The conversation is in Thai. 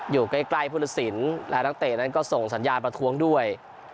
อยู่ใกล้พุทธศิลป์และนักเตะนั้นก็ส่งสัญญาณประท้วงด้วย